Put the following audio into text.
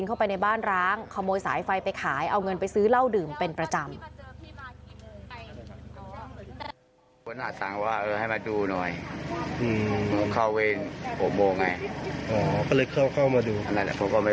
เอาเงินไปซื้อเหล้าดื่มเป็นประจำ